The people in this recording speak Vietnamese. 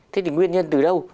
thế thì nguyên nhân từ đâu